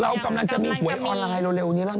เรากำลังจะมีหวยออนไลน์เร็วนี้แล้วนะ